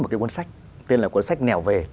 một cái cuốn sách tên là cuốn sách nẻo về